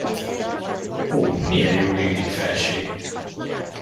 Ó, milyen jól illik, felség!